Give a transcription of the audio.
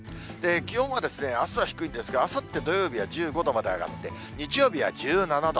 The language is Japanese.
気温はあすは低いんですが、あさって土曜日は１５度まで上がって、日曜日は１７度。